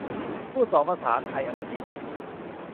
พูดสองภาษา ไทย-อังกฤษ ?